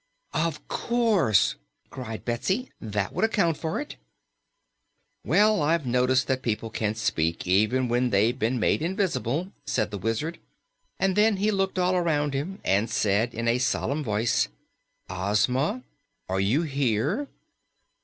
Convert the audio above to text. "Of course!" cried Betsy. "That would account for it." "Well, I've noticed that people can speak, even when they've been made invisible," said the Wizard. And then he looked all around him and said in a solemn voice, "Ozma, are you here?"